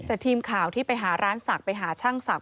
แต่ทีมข่าวที่ไปหาร้านศักดิ์ไปหาช่างศักดิ